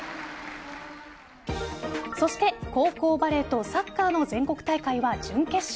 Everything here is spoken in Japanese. そして高校バレーとサッカーの全国大会は準決勝。